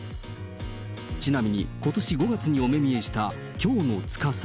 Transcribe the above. ちなみにことし５月にお目見えした京乃つかさ。